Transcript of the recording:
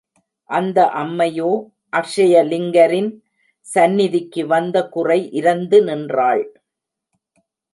அந்த அம்மையோ அக்ஷய லிங்கரின் சந்நிதிக்கு வந்த குறை இரந்து நிற்கிறாள்.